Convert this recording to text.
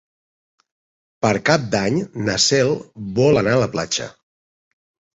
Per Cap d'Any na Cel vol anar a la platja.